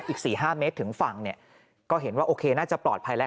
อีก๔๕เมตรถึงฝั่งเนี่ยก็เห็นว่าโอเคน่าจะปลอดภัยแล้ว